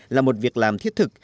là một việc làm thiết thực